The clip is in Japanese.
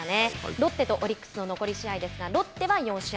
ロッテとオリックスの残り試合ですがロッテは４試合